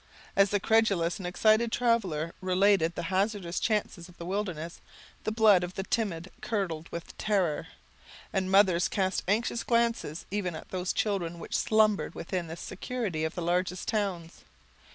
As the credulous and excited traveler related the hazardous chances of the wilderness, the blood of the timid curdled with terror, and mothers cast anxious glances even at those children which slumbered within the security of the largest towns.